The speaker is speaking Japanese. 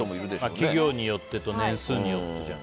企業によってと年数によってじゃない。